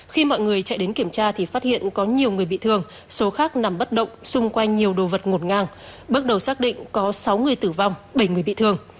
khi mọi người chạy đến kiểm tra thì phát hiện có nhiều người bị thương số khác nằm bất động xung quanh nhiều đồ vật ngột ngang bước đầu xác định có sáu người tử vong bảy người bị thương